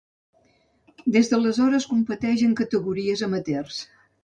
Des d'aleshores competeix en categories amateurs.